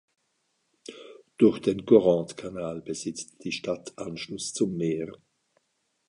Durch den Caronte-Kanal besitzt die Stadt Anschluss zum Meer.